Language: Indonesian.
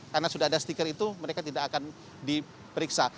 karena sudah ada stiker itu mereka tidak akan diperiksa